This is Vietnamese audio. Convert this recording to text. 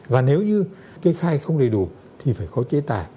và nếu như kê khai không đầy đủ thì phải có chế tài